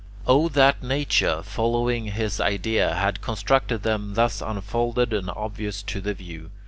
Oh that nature, following his idea, had constructed them thus unfolded and obvious to the view!